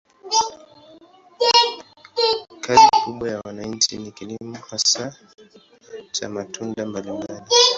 Kazi kubwa ya wananchi ni kilimo, hasa cha matunda mbalimbali.